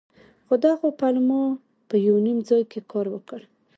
خو دغو پلمو به په يو نيم ځاى کښې کار وکړ.